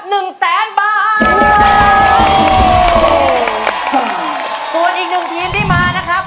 หนึ่งแสนบาท